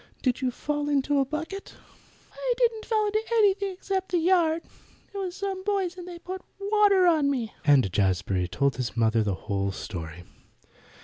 "Did you fall into a bucket?" "I didn't fall into anything except the yard. It was some boys and they put water on me," and Jazbury told his mother the whole story.